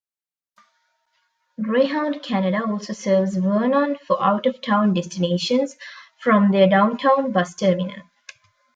Greyhound Canada also serves Vernon for out-of-town destinations from their downtown bus terminal.